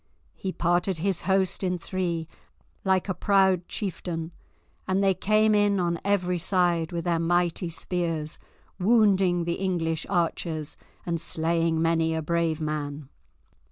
He parted his host in three like a proud chieftain, and they came in on every side with their mighty spears, wounding the English archers and slaying many a brave man.